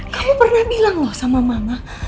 kamu pernah bilang loh sama mama